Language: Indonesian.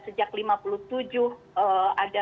sejak seribu sembilan ratus lima puluh tujuh ada